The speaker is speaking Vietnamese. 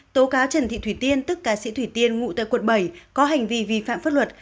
tố cáo trần thị thủy tiên tức cá sĩ thủy tiên ngụ tại quận bảy có hành vi vi phạm pháp luật